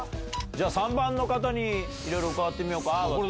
じゃあ３番の方に伺ってみようか。